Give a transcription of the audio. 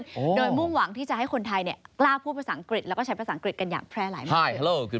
โดยมุ่งหวังที่จะให้คนไทยกล้าพูดภาษาอังกฤษมกันอยากแพร่ไม่เมื่อ